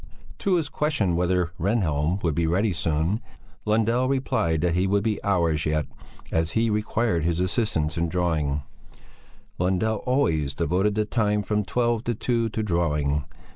To his question whether Rehnhjelm would be ready soon, Lundell replied that he would be hours yet, as he required his assistance in drawing; Lundell always devoted the time from twelve to two to drawing.